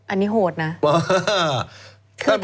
อันนี้โหดนะ